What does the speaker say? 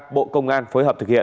bộ công an phối hợp thực hiện